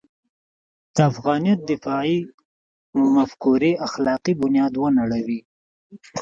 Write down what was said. د افغانیت دفاعي مفکورې اخلاقي بنیاد ونړوي.